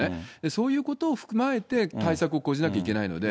そういうことを踏まえて対策を講じなきゃいけないので。